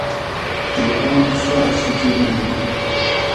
تے آم سوا شیکۤہ لنگو